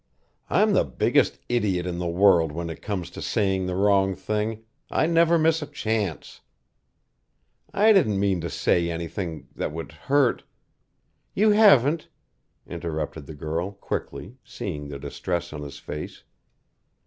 "I'm the biggest idiot in the world when it comes to saying the wrong thing, I never miss a chance. I didn't mean to say anything that would hurt " "You haven't," interrupted the girl, quickly, seeing the distress in his face.